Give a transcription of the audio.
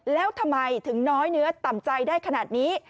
แล้วทำไมถึงน้อยเนื้อต่ำใจได้ขนาดนี้